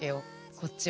こっちは。